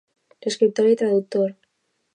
Escriptor i traductor.